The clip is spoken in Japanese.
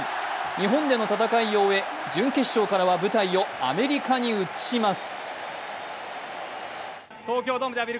日本での戦いを終え、準決勝からは舞台をアメリカに移します。